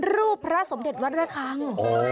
พระสมเด็จวัดระคัง